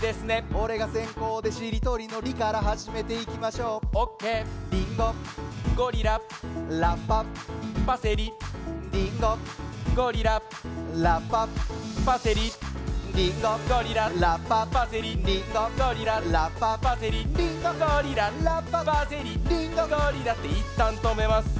おれがせんこうでしりとりの「り」からはじめていきましょうオッケーリンゴゴリララッパパセリリンゴゴリララッパパセリリンゴゴリララッパパセリリンゴゴリララッパパセリリンゴゴリララッパパセリリンゴゴリラっていったんとめます